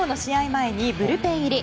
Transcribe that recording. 前にブルペン入り。